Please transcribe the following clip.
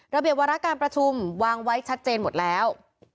ระเบียบวาระการประชุมวางไว้ชัดเจนหมดแล้ว